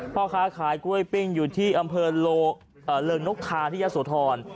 พ่อค้าขายกล้วยปิ้งอยู่ที่อำเภอเริงนกทาที่ยะโสธร